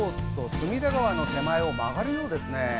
隅田川の手前を回るんですね。